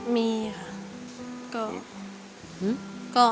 มีค่ะ